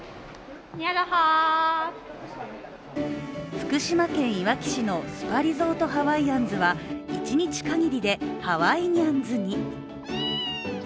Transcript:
福島県いわき市のスパリゾートハワイアンズは一日限りで、ハワイニャンズに。